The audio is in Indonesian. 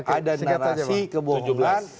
sekarang saya mengenal kasih kebohongan